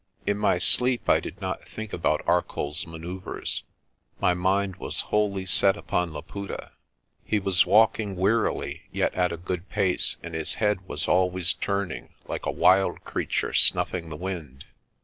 In my sleep I did not think about ArcolPs manoeuvres. My mind was wholly set upon Laputa. He was walking wearily yet at a good pace, and his head was always turning, like a wild creature snuffing the wind.